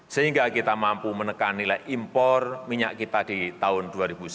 sehingga kita mampu menekan nilai impor minyak kita di tahun dua ribu sembilan belas